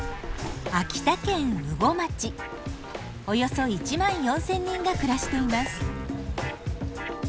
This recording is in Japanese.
およそ１万４，０００人が暮らしています。